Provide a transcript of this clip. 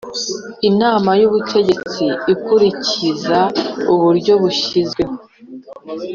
Inama y’ ubutegetsi ikurikiza uburyo bushyizweho